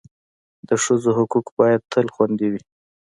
د ښځو حقوق باید تل خوندي وي.